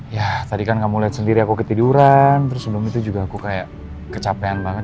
ya tadi kan kamu lihat sendiri aku ketiduran terus sebelum itu juga aku kayak kecapean banget